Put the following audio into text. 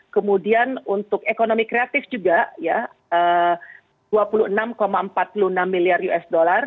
kemudian untuk ekonomi kreatif juga ya dua puluh enam empat puluh enam miliar usd